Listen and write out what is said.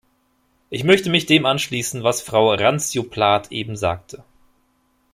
Ich möchte mich dem anschließen, was Frau Randzio-Plath eben sagte.